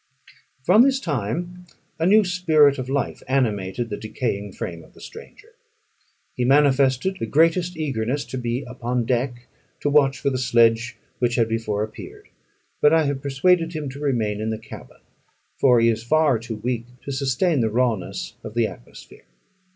From this time a new spirit of life animated the decaying frame of the stranger. He manifested the greatest eagerness to be upon deck, to watch for the sledge which had before appeared; but I have persuaded him to remain in the cabin, for he is far too weak to sustain the rawness of the atmosphere.